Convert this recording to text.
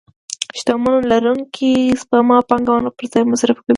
شتمنيو لرونکي سپما پانګونه پر ځای مصرف کوي.